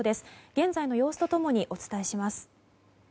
現在の様子と共にお伝えします。